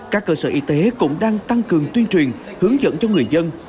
các cơ sở y tế cũng đang tăng cường tuyên truyền hướng dẫn cho người dân